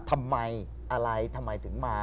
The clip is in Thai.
ทำไมอะไรทำไมถึงมา